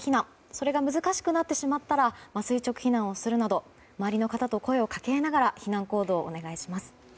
それが難しくなってしまったら垂直避難をするなど周りの方と声を掛け合いながら避難行動をお願いします。